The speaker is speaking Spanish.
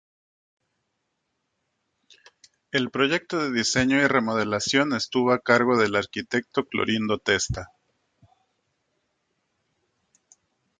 El proyecto de diseño y remodelación estuvo a cargo del arquitecto Clorindo Testa.